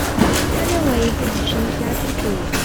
他認為自己是一家之主